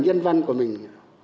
nhân văn của mình